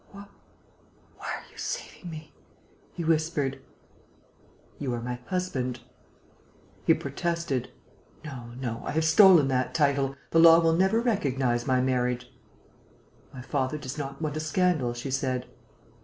"Why are you saving me?" he whispered. "You are my husband." He protested: "No, no ... I have stolen that title. The law will never recognize my marriage." "My father does not want a scandal," she said.